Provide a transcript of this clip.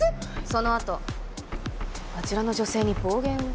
そのあとあちらの女性に暴言を。